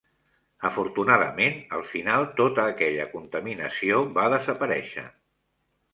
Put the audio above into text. Afortunadament, al final tota aquella contaminació va desaparèixer.